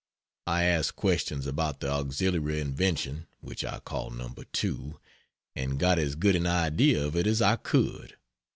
I asked questions about the auxiliary invention (which I call "No. 2 ") and got as good an idea of it as I could.